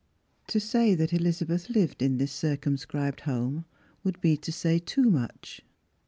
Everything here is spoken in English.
To say that Elizabeth lived in this circumscribed home K ould be to say too much.